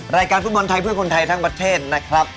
รายการฟุตบอลไทยเพื่อคนไทยทั้งประเทศนะครับ